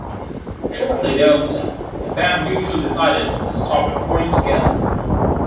Shortly thereafter, the band mutually decided to stop recording together.